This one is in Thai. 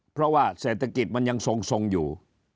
เพราะว่าเศรษฐกิจมันยังทรงอยู่